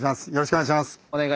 お願いします。